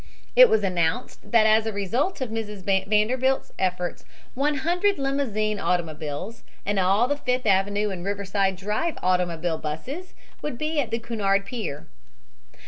It was announced that as a result of Mrs. Vanderbilt's efforts 100 limousine automobiles and all the Fifth Avenue and Riverside Drive automobile buses would be at the Cunard pier.